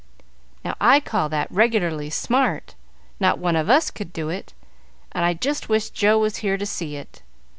"Now, I call that regularly smart; not one of us could do it, and I just wish Joe was here to see it.